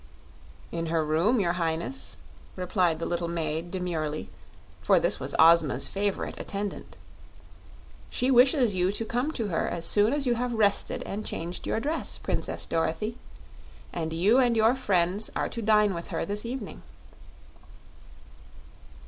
"In her room, your Highness," replied the little maid demurely, for this was Ozma's favorite attendant. "She wishes you to come to her as soon as you have rested and changed your dress, Princess Dorothy. And you and your friends are to dine with her this evening."